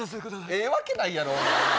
ええわけないやろ！